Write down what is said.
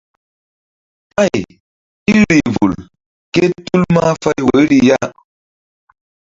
Ay í rih vul ké tul mahfay woyri ya.